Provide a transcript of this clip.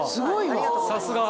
さすが！